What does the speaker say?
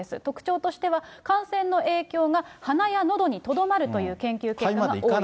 特徴としては、感染の影響が、鼻やのどにとどまるという研究結果が多い。